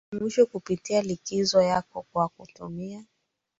ya mwisho kupitia likizo yako kwa kutumia